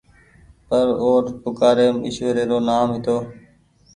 پر اور پوڪآريم ايشوري رو نآم هيتو۔